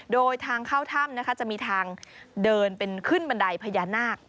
โดยทางเข้าถ้ำนะคะจะมีทางเดินเป็นขึ้นบันไดพญานาค